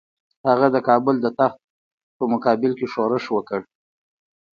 هغه د کابل د تخت په مقابل کې ښورښ وکړ.